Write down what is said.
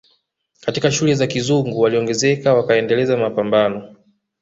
Katika shule za kizungu waliongezeka wakaendeleza Mapamabano